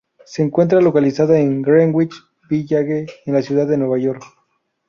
Se encuentra localizada en Greenwich Village en la ciudad de Nueva York.